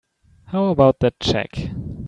How about that check?